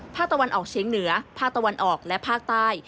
ภาคตะวันออกเฉียงเหนือภาคตะวันออกและภาคใต้